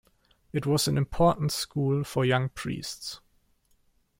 It was an important school for young priests.